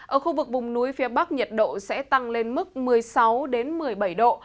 ở khu vực vùng núi phía bắc nhiệt độ sẽ tăng lên mức một mươi sáu một mươi bảy độ